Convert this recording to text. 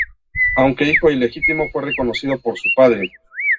Aunque hijo ilegítimo fue reconocido por su padre.